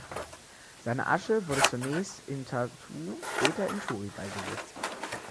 Seine Asche wurde zunächst in Tartu, später in Tori beigesetzt.